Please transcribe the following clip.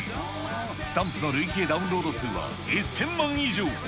スタンプの累計ダウンロード数は１０００万以上。